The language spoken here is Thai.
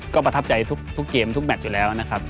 ก็ประทับใจทุกเกมทุกแมทอยู่แล้วนะครับ